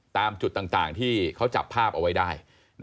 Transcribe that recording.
ตามจุดต่างที่เขาจับภาพเอาไว้ได้